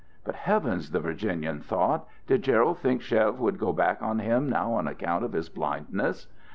But, heavens! the Virginian though, did Gerald think Chev would go back on him now on account of his blindness?